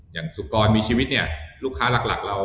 อย่างสุกรมีชีวิตลูกค้าหลักเรา